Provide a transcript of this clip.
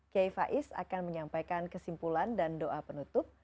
kiai faiz akan menyampaikan kesimpulan dan doa penutup